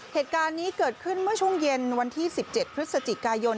เหตุการณ์นี้เกิดขึ้นเมื่อช่วงเย็นวันที่๑๗พฤศจิกายน